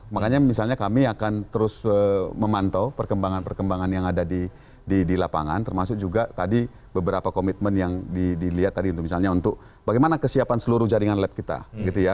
makanya misalnya kami akan terus memantau perkembangan perkembangan yang ada di lapangan termasuk juga tadi beberapa komitmen yang dilihat tadi itu misalnya untuk bagaimana kesiapan seluruh jaringan lab kita gitu ya